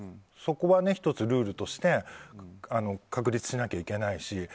そこは１つルールとして確立しなきゃいけないし。